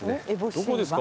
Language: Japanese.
どこですか？